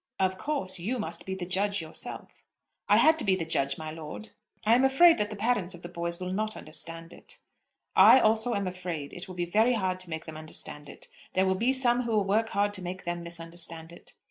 "Of course you must be the judge yourself." "I had to be the judge, my lord." "I am afraid that the parents of the boys will not understand it." "I also am afraid. It will be very hard to make them understand it. There will be some who will work hard to make them misunderstand it."